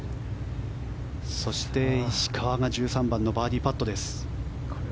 そして、石川が１３番のバーディーパットです。